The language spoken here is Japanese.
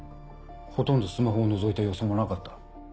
ほとんどスマホをのぞいた様子もなかった。